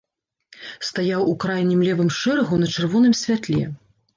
Стаяў у крайнім левым шэрагу на чырвоным святле.